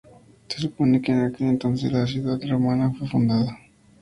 Se supone que en aquel entonces la ciudad romana fue fundada.